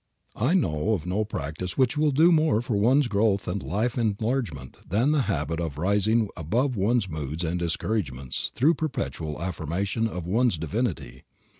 I know of no practice which will do more for one's growth and life enlargement than the habit of rising above one's moods and discouragements through perpetual affirmation of one's divinity.